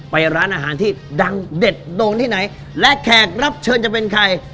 ไปร้านอาหารที่ดังเด็ดโด่งที่ไหนและแขกรับเชิญจะเป็นใคร